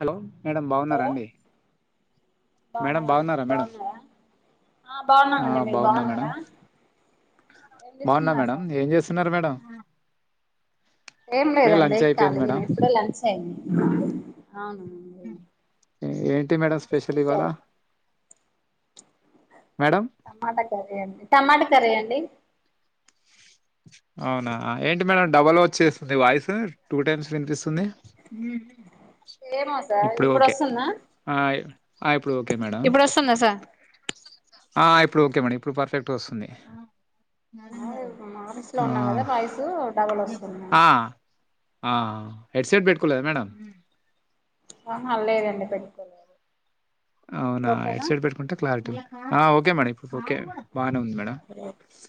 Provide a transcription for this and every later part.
Hello madam hello బాగున్నారాండి madam బాగున్నామండి బాగున్నారా మీరు మేడం ఆ బాగున్నామండి మీరు బాగున్నా మేడం బాగున్నారా ఏం బాగున్నా చేస్తున్నారు మేడం సార్ ఏం చేస్తున్నారు మేడం ఏం ఇప్పుడే లేదండి లంచ్ అయిపోయింది మేడం కాళీగానే ఇప్పుడే లంచ్ అయింది అవునండి ఏంటి స్పెషల్ మేడం టమాటా కర్రీ అండి టమాట సరే అండి అవునా ఏంటి మేడం డబల్ వచ్చేస్తుంది వాయిస్ టూ టైమ్స్ వినిపిస్తుంది ఏమో సార్ ఇప్పుడు ఓకే వస్తుందా ఆ ఇప్పుడు ఓకే మేడం ఇప్పుడు వస్తుందా సార్ ఆ ఇప్పుడు ఓకే మడమ్ ఇప్పుడు ఫర్ఫెక్ట్ గా వస్తుంది నరేందర్ ఆఫీస్ లో ఉన్నాం కదా వాయిసు డబల్ వస్తుంది ఆ ఆ ఆ ఎడ్ సెట్ పెట్టుకోలేద మేడం ఆహ లేదండి పెట్టుకోలేదు అవునా ఇప్పుడు హెడ్ ఓకేనా సెట్ పెట్టుకుంటే క్లారిటీ ఆ ఓకె మని ఓకె బానె ఉంది మేడం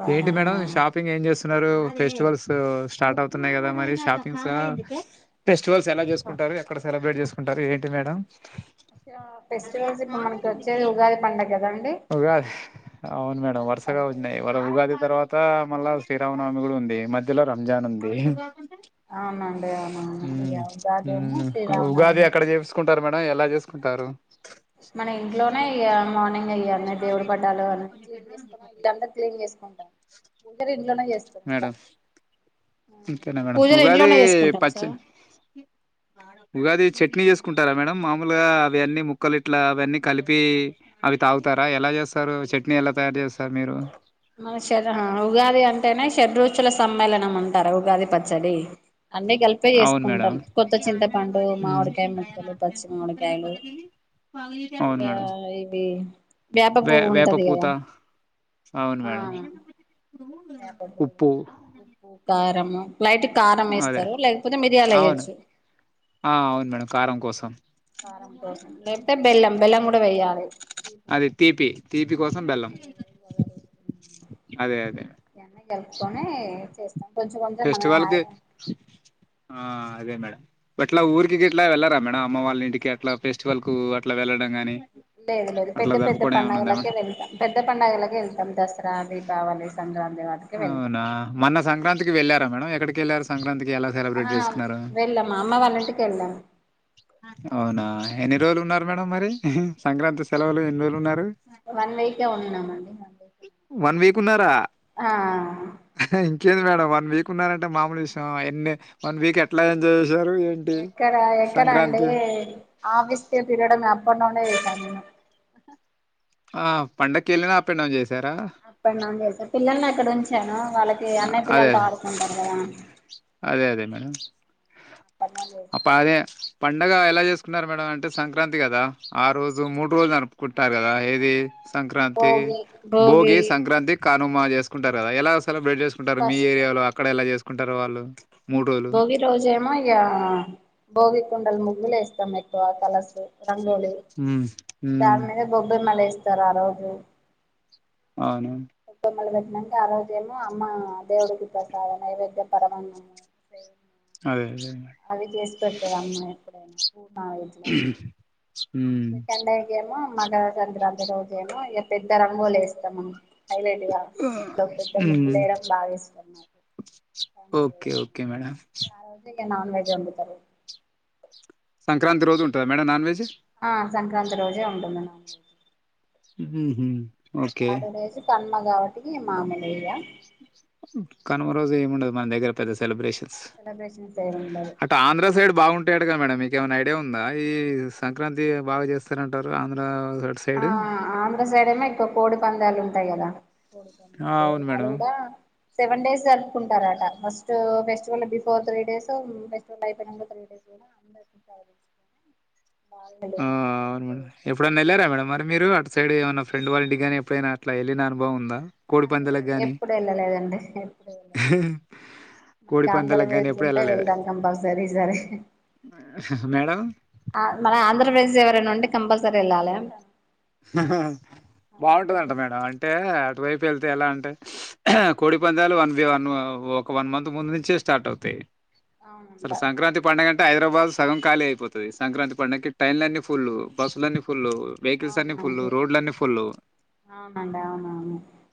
బానే ఏంటి మేడం ఉన్నాను షాపింగ్ ఏం చేస్ తున్నరూ ఫెస్టివల్సు స్టాటవుతున్నాయ్ కదా మరి షాపింగ్ సా చువల్స్ ఎలా చేస్కుంటారు ఎక్కడ సెలబ్రేట్ చేస్ కుంటారు ఏంటి మేడం ఆ కదండి ఉగాది అవ్ను మేడం ఉగాది వరుసగ పండుగ ఉన్నాయ్ ఫస్ట్ ఉగాది తర్వాతా మళ్ళా శ్రీరామనవమి కూడా ఉంది మధ్యలొ రంజాన్ ఉంది అవునండి అవునవును ఇది మ్మ్ కాదు ఉగాదేమో శ్రీరామణవమి టరు మేడం ఎలా చేస్కుంటారు మన ఇంట్లోనే ఇక మార్నింగ్ లెయ్యాన్నె దేవుడి పటాలు అని క్లీన్ చేసుకుని ఇల్లందరు క్లీన్ చేసుకుంటాం పూజలు ఇంట్లోనే చేస్తం ఇ మేడం అంతేనా మేడం పూజలు ఉగాది ఇంట్లోనే చేసుకుంటాం పచ్చ సార్ ఉగాది చట్నీ చేస్కుంటారా మేడం మామూల్గా అవి అన్నీ ముక్ క్కలు ఇట్లా అవన్ని కలిపీ అవి తాగుతార ఎలా చేస్సరూ చట్ని ఎలా తయారు చేస్సరు మీరు మన పచ్చుల సమ్మేళనం అంటారు ఉగాది పచ్చడి అన్ని కలిపె అవును మేడం చేసుకుంటాం కొత్త చింతపండు ఉమ్. మావిడికాయ్ ముక్కలు పచ్చి మామిడికాయలు ఇగ అవును మేడం ఇవీ వేప వే పువ్వు వేప ఉంటది కద పూత అవును మేడం ఉప్పు మో లైట్ గా కారం అదే వేస్తరు లేకపోతే మిరియాల్ అవును ఎయ్యొచ్చు ఆ అవును మేడం కారం కోసం కారం కోసం లేక్తే బెల్లం బెల్లం కూడ వెయ్యాలి అది తీపి తీపి కోసం బెల్లం చేదు అదె అదె ఇయన్ని గలుపుకొనీ చేస్తమ్ ఫెస్టివల్కి ఆ అదే మేడ అట్ల ఊరికి గిట్ల వెళ్లరా మేడం అమ్మ వాళ్ళ ఇంటికి అట్ల ఫెస్టివల్ కూ అట్ల వెళ్ల లేదు లేదు పెద్ద పెద్ద ఏమన్నా ఉందా పండగలకె మేడం వెల్తం పెద్ద పండగలకె వెల్తం దస్ర రా దీపావళి సంక్రాంతి వాటికి వెళ్తాం అవున మన్న సంక్రాంతికి వెళ్ళారా మేడం ఎక్కడికి ఎల్లారు సంక్రాంతికి ఎల సెలబ్రెట్ ఆ చేస్కున్నారు వెళ్ళాము అమ్మ వాళ్ళ ఇంటికి వెళ్ళాము అవున ఎన్ని రోజ్లు ఉన్నారు మేడం మరి సంక్రాంతి సెలవులు ఎన్ని రోజ్లు ఉన్నారు వన్ వీకే ఉన్నాం అండి వన్ వీక్ ఉన్నారా? ఆ ఇంకేంది మేడం వన్ వీక్ ఉన్నారంటే మామూలు విషయం ఎన్ని వన్ వీక్ ఎట్లా ఏ ఎంజాయ్ చేశారు ఏంటి? ఎక్కడ ఎక్కడా అండి సంక్రాంతి? ఆఫీసు కే తిరగడం అ అప్ అండ్ డౌన్ యే చేశా నేనూ ఆ పండకెళ్ళిన అపె డౌన్ చేస్ అప్ అండ్ డౌన్ చేస పిల్లలు నా ఇక్కడ ఉంచాను వాళ్ళకి ఆ, అన్నయ్య అదే పిల్లలతో అదే. ఆడుకుంటారు కదా అదే అదే మేడం అప్ అండ్ డౌన్ ప్ప చేశాను అదే పండగ ఎలా చేసుకున్నారు మేడం అంటే సంక్రాంతి కదా ఆ రోజు మూడు రోజులు జరుపుకుంటారు కదా ఏది సంక్రాంతి భోగి సంక్రాంతి కనుమా చేసుకుంటారు కదా ఎలా సెలబ్రేట్ చేకుంటారు మీ ఫస్ట్ ఏరియాలో అక్కడ ఎలా చేస్ కుంటారు వాళ్ళు భోగి రోజేమో ఇగా భోగి కుండలు ముగ్గులు వేస్తాం ఎక్కువ కలసు రంగోలీ హ్మ్ హ్మ్ దానిమీద గొబ్బెమ్మ లేస్ ఇతరా ఆ రోజు అవును గొబ్బెమ్మలు ఆ రోజు ఏమో అమ్మా దేవుడుకి ప్రసాద నైవేద్య పరమాంగమ అదే అదే అది చేసి పెడతారు అమ్మా ఎప్పుడైనా పూర్ణాలు ఇట్లా హ్మ్. సెకండ్ డే కి ఏమో మకర సంక్రాంతి రోజేమో ఇక పెద్ద రంగులీ వేస్తా మం హైలైట్ గా ఇంట్లో పెద్ద ముగ్గు హ్మ్. లేయడం బాగా ఇష్టం నాకు పన్లు ఓకే. చేయడం ఓకే మేడం. ఆ రోజు నాన్ వెజ్ వండుతారు సంక్రాంతి రోజు ఉంటదా మేడం నాన్ వెజ్ ఆ సంక్రాంతి రోజే ఉంటుంది నాన్ వెజ్ హూ హుం ఇగ తాడునేేిసి తన్ గాబట్టి మామూలే కనుమ రోజు ఏముండదు మన దగ్గర పెద్ద సెబ్రషన్ స్ సెలబ్రేషన్స్ ఏమి ఉండదు అట్ ఆంధ్ర సైడ్ బాగుంటాయి అం కా మేడం మీకేమైనా ఐడియా ఉందా ఈ సంక్రాంతి బాగా చేస్తారంటారు ఆంధ్ర అటు ఆ సైడు? ఆంధ్ర సైడ్ ఏమో ఎక్కువ కోడి పందాలు ఉంటాయి కదా కోడి ఆ! పంద్యాల అవును మేడం. వాళ్ళుగుడా సెవెన్ డేస్ జరుపుకుంటారట first festival before three days festival అయిపోయినా త్రీ డేస్ కూడా అందరి ఆ అవును మేడ ఎప్పుడన్నెల్యార మేడమ్ మరి మీరు అటు సైడ్మైన్న ఫ్రండ్ వాళ్ళంటి కానీ ఎప్పుడైనా అలా వెళిన అనుభవం ఉందా కోడి లేదు పందాలకు గాని? ఎప్పుడు వెళ్ళలేదండి ఎప్పుడు వెళ్ళలేదు మనకి కోడి పందాలకు గాని ఆంధ్రప్రదేశ్ ఎప్పుడు ఉంటే ఎళ్ళలేదు. వెళ్తాం కంపల్సరీ సర మేడం మన ఆంధ్ర ఫ్రెండ్స్ ఎవరన్నా ఉంటే కంపల్సరీ ఇలాాలే బాగుంటందంట మేడం అంటే అటు వైపు వెళ్తేా ఎలా అంటే కోడి పందాలు వన్ వన్ ఒక వన్ మంత్ ముందు నుంచే స్టార్ట్ అవుతాయి అవునంట సరే సంక్రాంతి పండుగం అంటే హైదరాబాద్ సగం ఖాళీ అయిపోతుది సంక్రాంతి పండగకి ట్రైన్లన్నీ ఫుల్ బస్సులన్నీ ఫుల్లు బుల్లుఅన్నీ ఫుల్ అవునండి రోడ్లన్ని ఫుల్ అవునండి అవునవును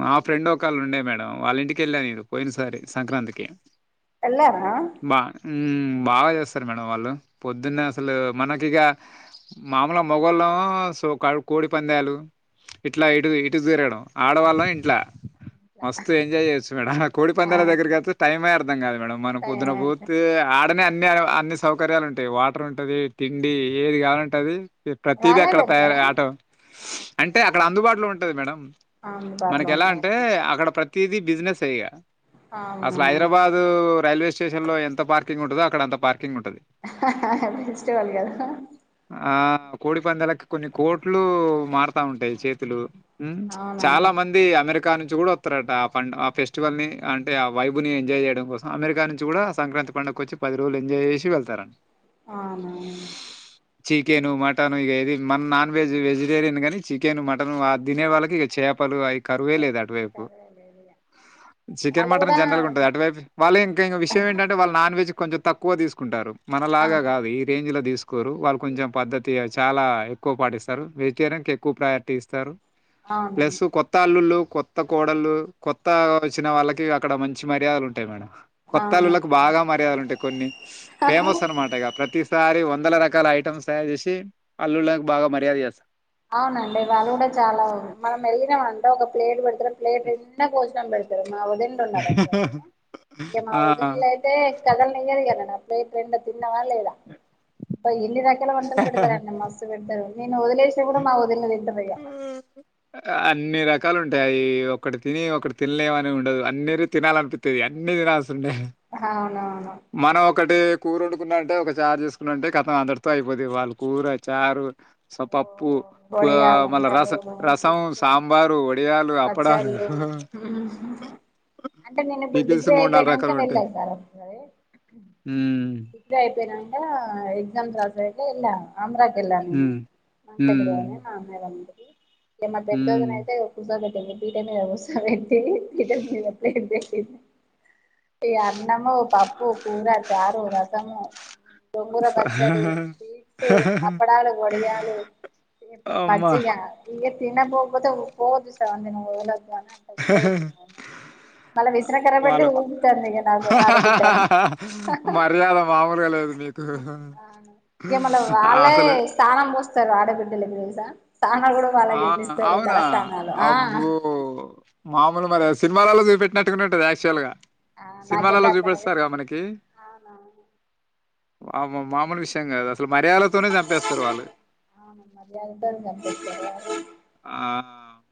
మా ఫ్రెండ్ ఒకళు ఉండే మేడం వాళ్ళ ఇంటిక వెళ్ళా నేను పోయిన సారి సంక్రాంతికి ఎలా రా బా హ్మ్ బాగా చేస్తారు మేడం వాళ్ళు పొద్దున్న అసలు మనకిగ మామల మొగోళ్ళు సో కా కోడి పందలు ఇట్లా ఇటు ఇటు దురడం ఆడవాళ్ళం ఇంట్లో మస్తు ఎంజాయ్ చేయొచ్చు మేడం ఆ కోడి పందాల దగ్గరికి వెళ్తే టైమే అర్థం కాదు మేడం మనం పొద్దున పోతే అ అనే అన్ని అన్ని సౌకర్యాలు ఉంటాయి వాటర్ ఉంటుంది తిండి ఏది కావాలంటది తది వాళ్ళే అక్కడ తయారు పెడతారా ఆటో ఓకే అంటే అక్కడ అందుబాటులో ఉంటా ఉంటాదిమేడం మనకి అందుబాటులో ఎలా ఉంటాయా అంటే అక్కడ ప్రతి తదీ బిజినెస్ అయ్యగా అసలు అవునవును హైదరాబాదు రైల్వే స్టేషన్ లో ఎంత పార్క్ ఉంటంది అక్కడంతాపార్టీ ఫెస్టివల్ కదా ఆ కోడి పందలకి కొన్ని కోట్లు మారుతా ఉంటాయి చేతులు హ్మ్ అవునంట చాలా మంది అమెరికా అమెరికా నుంచి కూడా వస్తారట ఆ ఆ ఫెస్టివల్ ని అంటే ఆ వైబు ని ఎంజాయ్ చేయడం కోసం అమెరికా నుంచి కూడా సంక్రాంతి పండగ వచ్చి పది రోజు ఎజాయ్ చేసి వెళ్తారంట అవునా చికెను మాట్ ఇక ఏది మన నాన్ వెజ్ వెజటేరియన్ కానీ చికెన్ మటన్ తినే వాళ్ళకి ఇక చేపలు ఐ కరువే లేదు అటువైపు సరేలే చికెన్ వాళ్ళు మటన్ కూడా జనరల్ గా ఉంటంది అటువైపు వాళ్ళు ఇంకా ఇంక విషయం ఏంటంటే వాళ్ళు నాన్ వెజ్ కొంచెం తక్కువ తీసుకుంటారు ఆ మనలాగా కాదు ఈ రేంజ్ లో తీసుకు కోరు వాళ్ళు కొంచెం పద్ధతి చాలా ఎక్కువ పాటిస్తారు వెజిటేరియన్ కి ఎక్కువ ప్రయారిటీ ఇస్తారు అవును ప్లస్ కొత్త అల్లుళ్ళు కొత్త కోడళ్ళలు కొత్త వచ్చిన వాళ్ళకి అక్కడ మంచి మర్యాదలు ఉంటాయి మేడం అవును కొత్తలుళ్ళలకు బాగా మర్యాదలు ఉంటాయి కొన్ని ఫేమస్ అనమాట ఇంకా ప్రతిసారి వందల రకాల ఐటమ్స్ తయారు చేస్ అల్లుళ్ళకి బాగా మర్యాద చేస్తా అవునండి వాళ్ళు కూడా చాలా అంది మన మెల్లిగావంట ఒక ప్లేట్ ప్లేట్ నిండా కోసం వాడి మా వదినలు ఉన్నారు అటు సైడు ఇంక మా వదినలు అయితే కదలనియరు ఇంక నన్ను బైట రెండు తిన్నావా లేదా బయ ఇన్ని రకాల వంటలు పెడతారండి మస్తు పెడతారు నేను వదలే కూడా మా వదినలు తింటేర్ ఆయా ఆ! అన్ని రకాలు ఉంటాయి ఒక్కటి తిని ఒకటి తినలేమని ఉండదు అన్నరు తినాలనిపిస్తుంది అన్ని తినాల్సి ఉండా అవునువును మనం ఒక ఒకటి కూర వండుకున్నంటే ఒక చారు చేసుకున్నంటే కథం అందరితో అయిపోది వాళ్ళు కూర చారు సొప వొడియాల అంటారు మక్స్ రసం, సాంబారు, వడియాలు, అప్పడాలు పచ్చళ్ళు అంటే నేను ఇప్పుడు డిగ్రీ అయిపోయినాక వెళ్ళ సారు ఉమ్ పోయినక ఎగ్జామ్స్ రాసేకి వేలా ఆంధ్రకి ఎలా నేను హ్మ్. దేలి లో హ్మ్. నే మా అమ్మాయి ఉంది ఏమ పెదవదినా హ్మ్. అయితే కుసో రిపీట్ అనే వస్తది [unintelligible] ఈ అన్నమో పప్పు కూర చారు రసము గోంగూర స పచ్చడి స్వీట్స్ అప్పడాలు వడియాలు అమ్మా! మజ్జిగా ఇ తినకపోతే ఓవర్ గా చూస్తారు మా వాళ్లంతా మళ్ విశ్రఖరబట్టి వాళ్ళు ఊగుతంది ఇక నా ఆడబిడ్డ మర్యాద మామూలుగా లేదు మీకు. ఇక మళ ఆ! వాళ్ళే అసలు స్థానం పోస్త సార్ అడాబి డలివరీసా ఆ అవునా ఆ అబ్బో మా మరి సినిమాలలో చూపట్టినట్టునేంటంది యాక్చువల్గా ఆ నాకైతే అట్లనే అవునవును ఆ మామూలు విషయంగాదు అస మరియధలతోనే చంపేస్తారు వాళ్ళు అవును మర్యాదతోని పంపిస్తారు ఆ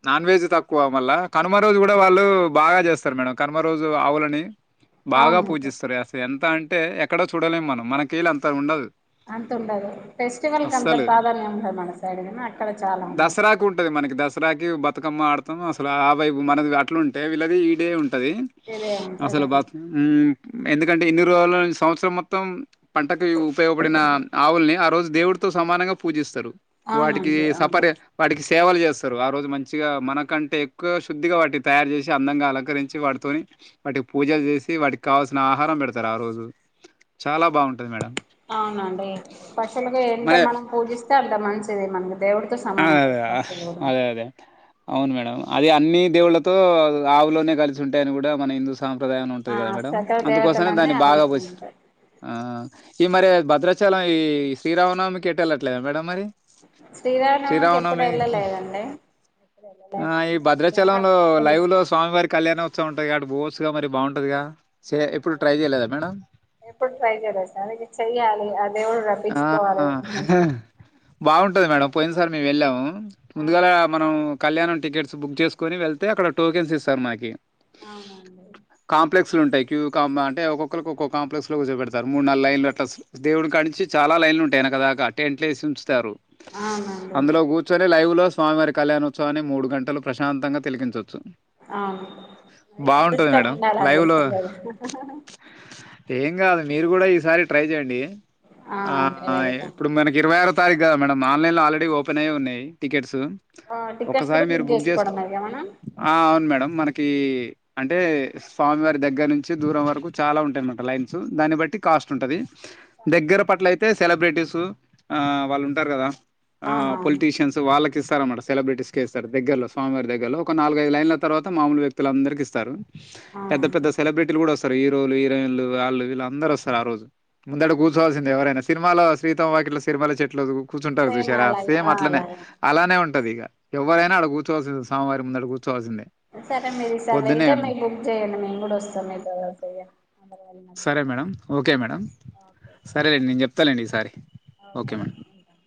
నాన్ వెజ్ తక్కువ మళ్ళ కనుమ రోజు కూడా వాళ్ళు బాగా చేస్తారు మేడం కనుమ రోజు ఆవులని బాగా అవును పూజిస్తారు అసలు ఎం అంత అంటే ఎక్కడో చూడలేం మనం మనకిీళ్ళ అంతా ఉండదు అంతుండదు ఫెస్టివల్కి అంత అస్సలు. ప్రాధాన్యం ఉంట మన సైడ్ గున దసరాకు ఉంటది మనకి దసరాకి బతుకమ్మ ఆడతాం అసలు ఆ వైపు మనది అట్లు ఉంటే వీళ్లది ఈ డే ఉం టది ఇదే అసలు ఉంటదండి. బ ఊ ఎందుకంటే ఇన్ని రోజులు సంవత్సరం మొత్తం పంటకు ఉపయోగపడిన ఆవుల్ని ఆ రోజు దేవుడితో సమానంగ పూజిస్తరు అవున కి సపర్ వాటిక్ సేవలు చేస్తరు ఆ రోజు మంచిగా మనకంటే శుద్ధిగా కాళ్లు వాటితోని వాటికి పూజలు చేసి వాటికి కావాల్సిన ఆహారం పెడతరు ఆ రోజు చాలా బాగుంటది మేడం అవునా అండి పశులుకి ఎంత మరి మనం పూజిస్తే అంత మంచి చిది మనకది ఆ అదదే అవును మేడం అది అన్ని దేవుళ్లతో ఆవులోనే కలిసి ఉంటయని కూడ మన హిందు సాంప్రదాయం అని ఉంటది ఆ కదా మేడం సకల అందుకోసమే దేవతలన్నీ దాన్ని బాగ ఆవులకి పోస్ ఉంటాయి ఆ ఈ మరి భద్రాచలం ఈ శ్రీరామనవమికి ఏటేళ్లట్లేదా మేడం మరి శ్రీరామనవమికి ఎప్పుడు శ్రీరామనమికి వెళ్ళలేదండి ఎప్పుడు ఆ వెళ్ళలేదు ఈ ఏమన్నా భద్రాచలంలో ఫోన్ లైవ్ లో చూసుకున్నా స్వామివారి కళ్యాణోత్సవం ఉంటది ఆడి బోవ్ గ మరి బాగుంటదిగా బాగుంటది ఎప్పుడు ట్రై చేయల సర్ ఇగ చెయ్యాలి ఆ దేవ్ ర ఆ బ ఉంటది మేడం పోయిన సారి మేం వెళ్ళాము ఉ ముందుగాలా అవునా మనం కళ్యాణం టికెట్స్ బుక్ చేసుకొని వెళ్తే అక్కడ టోకెన్స్ ఇస్తారు మనకి అవున అండి కాప్లెక్స్లుఉంటయి క్యూ కామ అంటే ఒక్కొకొళ్లకి ఒక కాంప్లక్స్ కూర్చోపెడతారు మూడు నాలుగు లైన్లు అట్ల దేవుడి కాడినుంచి చాలా లైన్లు ఉంటయి వెనక దాక టెంట్లేసి ఉంచుతారు అవునండి అందులో కూర్చొని లైవ్ లో స్వామివారి కళ్యాణోత్సవాన్ని మూడు గంటలు ప్రశాంతంగ తిలకింకొచొచ్చు ఆవును అదే అదృష్టం మేడం. ఉండాల అని లైవ్‌లో చెప్పిరు లేద ఏం కాదు మీరు కూడ ఈసారి ట్రై చేయండి ఆ అదే వెళ్తాం ఇప్పుడు మనకి ఇరువై ఆరు తారీ కాదు మేడం ఆన్లైన్ లో ఆల్రెడీ ఓపెన్ అయి ఉన్నయి టికెట్స్ ఆ టికెట్స్ ఒకసారి కూడా మీరు బుక్ చేసుక్ చేసుకోవడమే ఇగ మనం ఆ అవును మేడం మనక్ ఈ అంటే స్వామి వారి దగ్గర నుంచి దూరం వరకు చాలా ఉంటాయిన్నమాట లైన్స్ దాన్ని బట్టి కాస్ట్ ఉంటది దగ్గర అప్పట్లయితే సెలబ్రిటీస్ ఆ వాళ్ళు ఉంటారు కదా ఆ అవునవును పొలిటీషియన్స్ వాళ్ళకి ఇస్తారమాట సెలబ్రేటీస్ కే దగ్గలో స్వామివారి దగ్గరలో ఒక నాలుగైదు లైన్ల తరువాత మామూలు వ్యక్లులందరికి ఇస్తారు అవును పెద్ద పెద్ద సెలబ్రిటీలు కూడా వస్త హీరోలు హీరోయిన్లు వాళ్ళు వీళ్ళ అందరు వస్తారు ఆ రోజు ముందు అడు అవును కూర్చోవాల్సిన నా సినిమాలో సీతమ్మ వాకిట్ల సిరిమల్లెచెట్టు లో కూర్చుంటారు సేమ్ చూసారా అలాగే సేమ్ ఆ అట్లనే అలాగే అలానే ఉంటది ఇక ఎవరు అయినా అక్కడ కూర్చోవాసిందే స్వామి వారి ముందట కూర్చోల్సిందే సరే మీరు ఈసారి వెళ్తే మీకు బుక్ చెయ్యడి మేము కూడా వస్తాం మీకు సరే madam okay madam okay sir సరేలేండి నేను థ్యాంక్ యూ చెప్తానుండి ఈసారి ఓకే మేడం అండి ఉంటాను